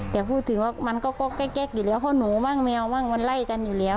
แต่พูดถึงว่ามันก็แก๊กอยู่แล้วเพราะหนูมั่งแมวมั่งมันไล่กันอยู่แล้ว